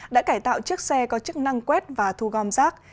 đã cải tạo chiếc xe có chức năng quét và thu gom rác